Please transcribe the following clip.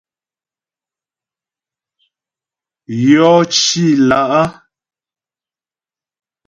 Yɔ cì lá'.